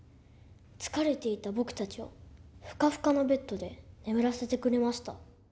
疲れていた僕たちをふかふかのベッドで眠らせてくれました。